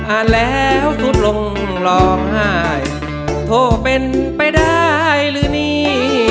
อ่านแล้วสุดลงร้องไห้โทรเป็นไปได้หรือนี่